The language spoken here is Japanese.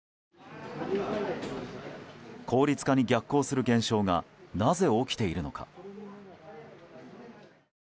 効率化に逆行する現象がなぜ起きているのか。